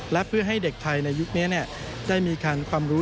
และเพื่อให้เด็กไทยในยุคนี้ได้มีการความรู้